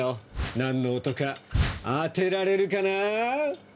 なんの音か当てられるかな？